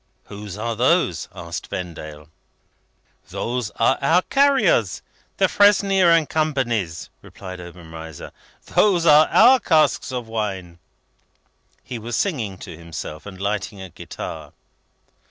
"Who are those?" asked Vendale. "They are our carriers Defresnier and Company's," replied Obenreizer. "Those are our casks of wine." He was singing to himself, and lighting a cigar.